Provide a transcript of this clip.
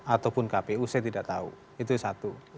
ataupun kpu saya tidak tahu itu satu